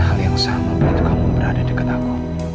hal yang sama begitu kamu berada dekat aku